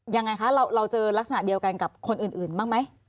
ยังไงคะเราเจอลักษณะเดียวกันกับคนอื่นบ้างไหม